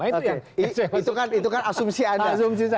itu kan asumsi anda